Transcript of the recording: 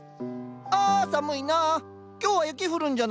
あ寒いな。